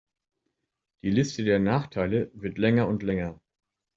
Die Liste der Nachteile wird länger und länger.